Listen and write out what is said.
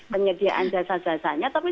penyediaan jasa jasanya tapi